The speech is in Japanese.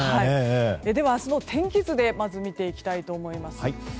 では、明日の天気図を見ていきたいと思います。